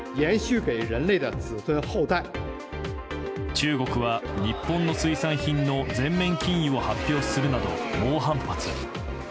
中国は日本の水産品の全面禁輸を発表するなど猛反発。